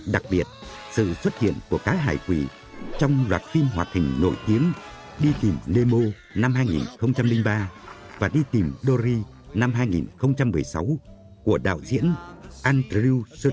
đặc biệt sự xuất hiện của cá hải quỳ trong loạt phim hoạt hình nổi tiếng đi tìm nemo năm hai nghìn ba và đi tìm dory năm hai nghìn một mươi sáu của đạo diễn andrew shower